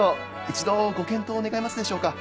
一度ご検討願えますでしょうか。